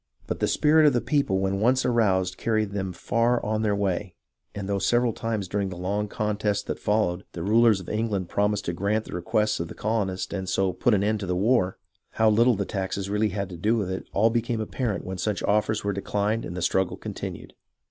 But the spirit of the people when once aroused carried them far on their way ; and though several times during the long contest that followed, the rulers of England promised to grant the requests of the colonists and so put an end to the war, how little the taxes had really had to do with it all became apparent when such offers were declined and the struggle continued.